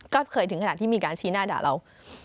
ก็เคยถึงขนาดที่มีการชี้หน้าด่าเรา